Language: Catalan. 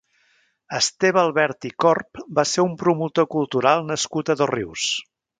Esteve Albert i Corp va ser un promotor cultural nascut a Dosrius.